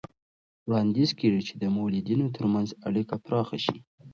وړاندیز کېږي چې د مؤلدینو ترمنځ اړیکې پراخه شي.